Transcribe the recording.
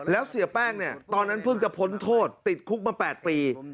แล้วเสียแป้งเนี่ยตอนนั้นเพิ่งจะพ้นโทษติดคุกมา๘ปี